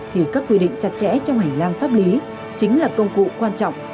thì các quy định chặt chẽ trong hành lang pháp lý chính là công cụ quan trọng